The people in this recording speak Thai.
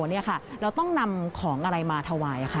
เราต้องนำของอะไรมาถวาย